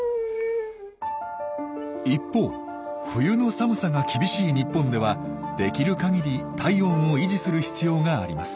一方冬の寒さが厳しい日本ではできる限り体温を維持する必要があります。